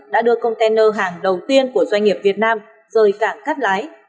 đã đưa container hàng đầu tiên của doanh nghiệp việt nam rời cảng cát lái